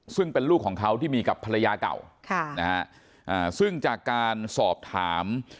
ซึ่งเป็นลูกของเขาที่มีกับภรรยาเก่าค่ะนะฮะซึ่งจากการสอบถาม